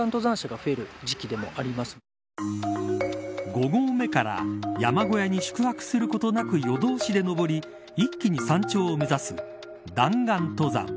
５合目から山小屋に宿泊することなく夜通しで登り一気に山頂を目指す弾丸登山。